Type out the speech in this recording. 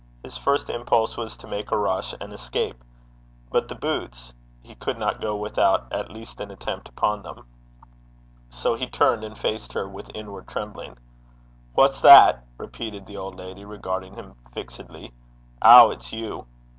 His first impulse was to make a rush and escape. But the boots he could not go without at least an attempt upon them. So he turned and faced her with inward trembling. 'Wha's that?' repeated the old lady, regarding him fixedly. 'Ow, it's you!